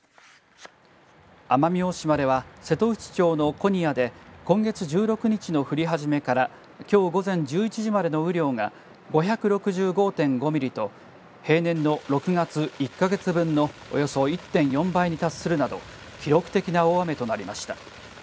奄美大島では瀬戸内町の古仁屋で今月１６日の降り始めからきょう午前１１時までの雨量が５６５．５ミリと平年の６月１か月分のおよそ１．４倍に達するなど記録的な大雨となりました。